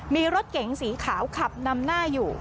มีรถเก๋งสีขาวขับนำหน้าอยู่